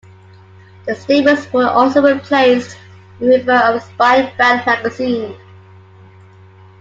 The staples were also replaced in favour of a spine bound magazine.